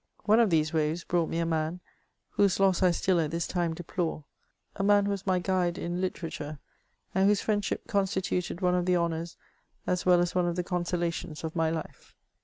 One of these waves brought me a man — whose loss I still at this time de« plore, — a man who was my guide in literature, and whose friendship constituted one of the honours as well as one of the consolations of my life.